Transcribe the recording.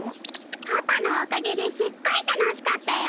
パパのおかげですっごい楽しかったよ！